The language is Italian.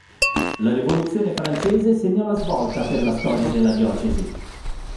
La rivoluzione francese segnò la svolta per la storia della diocesi.